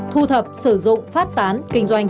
thu thập sử dụng phát tán kinh doanh